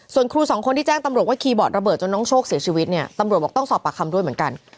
ส่วนครูสองคนที่แจ้งตำรวจว่าคีย์บอร์ดระเบิดจนน้องโชคเสียชีวิตเนี่ยตำรวจบอกต้องสอบปากคำด้วยเหมือนกัน